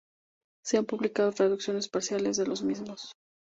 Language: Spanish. Se han publicado traducciones parciales de los mismos.